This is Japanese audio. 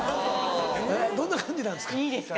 どんな感じなんですか？